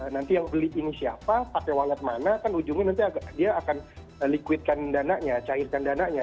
nanti yang beli ini siapa pakai wallet mana kan ujungnya nanti dia akan liquidkan dananya cairkan dananya